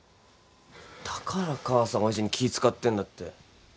だから母さん親父に気使ってんだって。